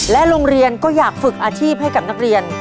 โรงเรียนก็อยากฝึกอาชีพให้กับนักเรียน